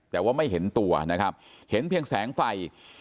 แต่ว่าไม่เห็นตัวนะครับเห็นเพียงแสงไฟ